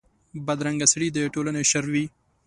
بدرنګه سړي د ټولنې شر وي